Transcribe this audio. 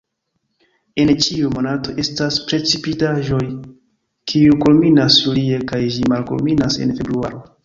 En ĉiuj monatoj estas precipitaĵoj, kiu kulminas julie kaj ĝi malkulminas en februaro.